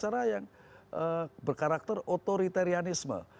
cara yang berkarakter otoritarianisme